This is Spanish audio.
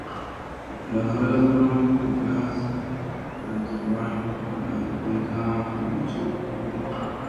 Las novelas fueron publicadas por Enterbrain bajo la imprenta Famitsu Bunko.